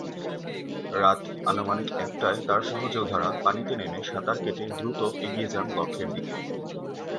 রাত আনুমানিক একটায় তার সহযোদ্ধারা পানিতে নেমে সাঁতার কেটে দ্রুত এগিয়ে যান লক্ষ্যের দিকে।